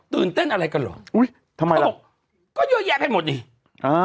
เต้นอะไรกันเหรออุ้ยทำไมเขาบอกก็เยอะแยะไปหมดนี่อ่า